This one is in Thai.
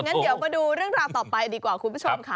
งั้นเดี๋ยวมาดูเรื่องราวต่อไปดีกว่าคุณผู้ชมค่ะ